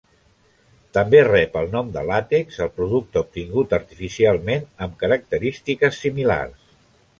També rep el nom de làtex el producte obtingut artificialment amb característiques similars.